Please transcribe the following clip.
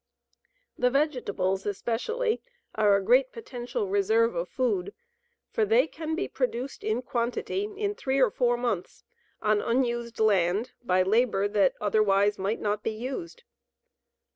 The vegetables especially are a great potential reserve of food, for they can be produced in quantity in three or four months on unused land by labor that otherwise might not be used.